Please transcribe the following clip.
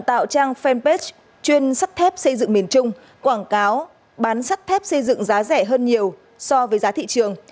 tạo trang fanpage chuyên sắt thép xây dựng miền trung quảng cáo bán sắt thép xây dựng giá rẻ hơn nhiều so với giá thị trường